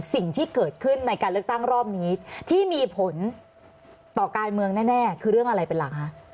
สิ่งที่เกิดขึ้นในการเลือกตั้งรอบนี้ที่มีผลต่อการเมืองแน่คือเรื่องอะไรเป็นหลักคะ